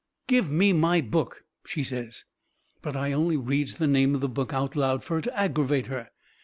"Give me my book," she says. But I only reads the name of the book out loud, fur to aggervate her.